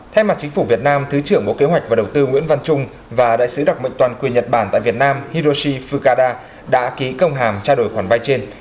thay mặt chính phủ việt nam thứ trưởng bộ kế hoạch và đầu tư nguyễn văn trung và đại sứ đặc mệnh toàn quyền nhật bản tại việt nam hiroshi fukada đã ký công hàm trao đổi khoản vay trên